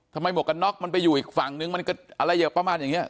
ทำไมหมวกอนกน๊อกมันไปอยู่อีกฝั่งนึงมันก็อะไรอย่างประมาณอย่างเงี้ย